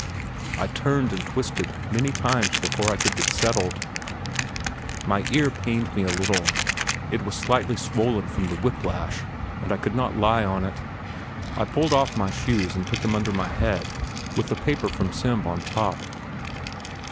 I turned and twisted many times before I could get settled. My ear pained me a little it was slightly swollen from the whip lash and I could not lie on it. I pulled off my shoes and put them under my head, with the paper from Semb on top.